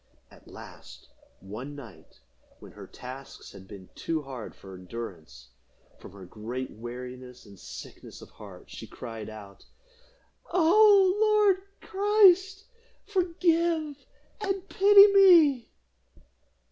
At last, one night, when her tasks had been too hard for endurance, from her great weariness and sickness of heart, she cried out, "O Lord Christ, forgive and pity me!"